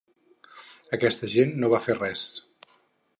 Aquesta gent no va fer res.